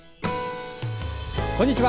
こんにちは。